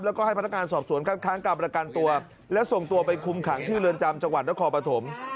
แล้วก็ให้พนักงานสอบสวนคัดค้างการประกันตัวและส่งตัวไปคุมขังที่เรือนจำจังหวัดนครปฐม